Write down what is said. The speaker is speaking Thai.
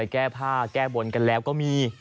แก้ผ้าแก้บนกันแล้วก็มี